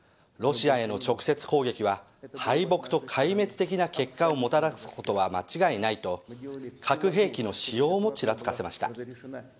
ロシアへの直接攻撃は敗北と壊滅的な結果をもたらすことは間違いないと核兵器の使用もちらつかせました。